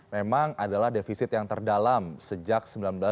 memang adalah defisit yang terdalam sejak seribu sembilan ratus sembilan puluh